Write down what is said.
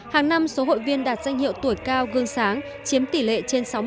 hàng năm số hội viên đạt danh hiệu tuổi cao gương sáng chiếm tỷ lệ trên sáu mươi